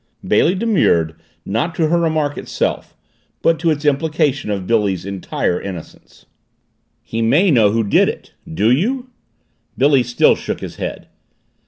Bailey demurred, not to her remark itself, but to its implication of Billy's entire innocence. "He may know who did it. Do you?" Billy still shook his head.